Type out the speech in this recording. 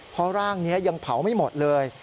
เพราะร่างนี้ยังเผาไม่หมดเลย